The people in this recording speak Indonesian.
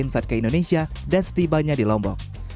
saat ke indonesia dan setibanya di lombok